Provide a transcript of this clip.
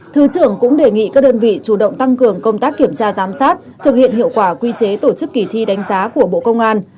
thứ trưởng cũng đề nghị các đơn vị chủ động tăng cường công tác kiểm tra giám sát thực hiện hiệu quả quy chế tổ chức kỳ thi đánh giá của bộ công an